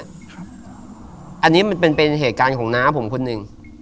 อันนี้มันเป็นเหตุการณ์ของน้าผมคนหนึ่ง